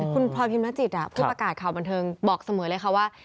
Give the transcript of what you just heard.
คุณพลอยพิมรจิตผู้ประกาศข่าวบันเทิงบอกเสมอเลยค่ะว่า